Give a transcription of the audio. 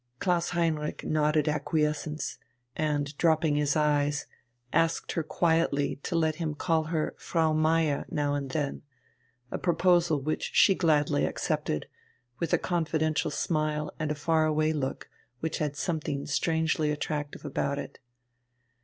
Klaus Heinrich nodded acquiescence, and, dropping his eyes, asked her quietly to let him call her "Frau Meier" now and then, a proposal which she gladly accepted, with a confidential smile and a far away look which had something strangely attractive about it.